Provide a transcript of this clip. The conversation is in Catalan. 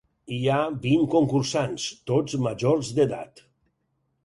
Hi ha vint concursants, tots majors d’edat.